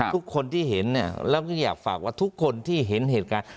ทุกคนที่เห็นแล้วก็อยากฝากว่าทุกคนที่เห็นเหตุการณ์